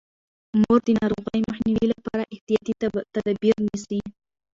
مور د ناروغۍ مخنیوي لپاره احتیاطي تدابیر نیسي.